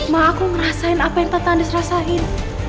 ma aku ngerasain apa yang tante andis rasain